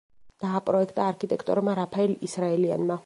დააპროექტა არქიტექტორმა რაფაელ ისრაელიანმა.